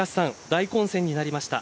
大混戦になりました。